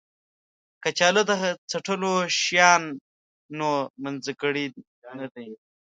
کچالو د څټلو شیانو منځګړی نه دی